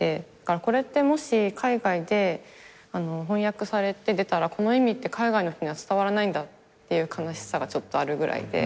これってもし海外で翻訳されて出たらこの意味って海外の人には伝わらないんだって悲しさがちょっとあるぐらいで。